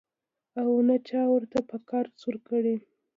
او نه چا ورته په قرض ورکړې.